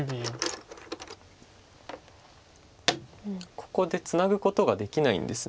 ここでツナぐことができないんです。